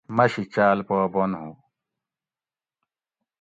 مشی چاۤل پا بند ہو